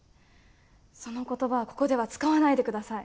その言葉はここでは使わないでください！